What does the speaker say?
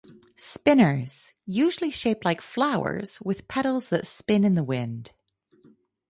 Spinners: Usually shaped like flowers with petals that spin in the wind.